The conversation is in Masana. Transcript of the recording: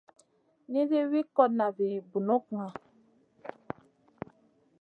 Nizi wi kotna vi bunukŋa.